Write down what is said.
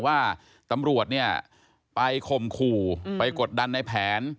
ว่าตำรวจเนี่ยไปข่มขู่ไปกดดันในแผน